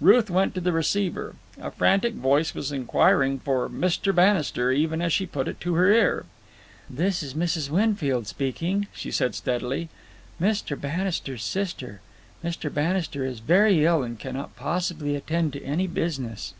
Ruth went to the receiver. A frantic voice was inquiring for Mr. Bannister even as she put it to her ear. "This is Mrs. Winfield speaking," she said steadily, "Mr. Bannister's sister. Mr. Bannister is very ill and cannot possibly attend to any business."